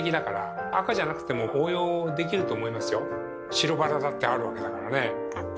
白バラだってあるわけだからね。